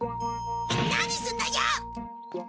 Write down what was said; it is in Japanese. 何すんだよ！